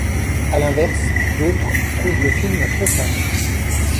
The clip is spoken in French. À l'inverse, d'autres trouvent le film trop sage.